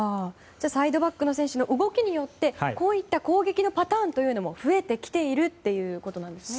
サイドバックの選手の動きによってこういった攻撃のパターンというのも増えてきているっていうことですね。